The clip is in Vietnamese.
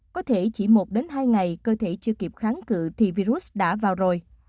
có thể chỉ một đến hai ngày cơ thể chưa kịp kháng cự thì virus đã vào rồi